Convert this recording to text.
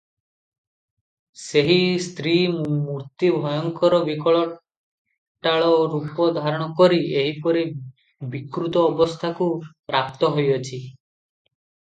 ସେହି ସ୍ତ୍ରୀ ମୂର୍ତ୍ତି ଭୟଙ୍କର ବିକଟାଳ ରୂପ ଧାରଣ କରି ଏହିପରି ବିକୃତ ଅବସ୍ଥାକୁ ପ୍ରାପ୍ତ ହୋଇଅଛି ।